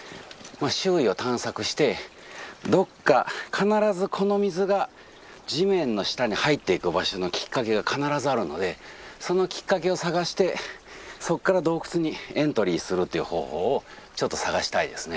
周囲を探索してどこか必ずこの水が地面の下に入っていく場所のきっかけが必ずあるのでそのきっかけを探してそこから洞窟にエントリーするっていう方法をちょっと探したいですね